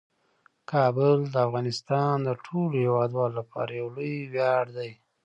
کابل د افغانستان د ټولو هیوادوالو لپاره یو لوی ویاړ دی.